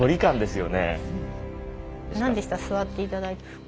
なんでしたら座って頂いて。